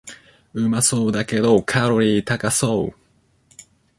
うまそうだけどカロリー高そう